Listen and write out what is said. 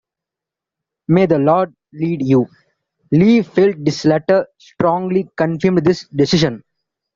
May the Lord lead you. Lee felt this letter strongly confirmed his decision.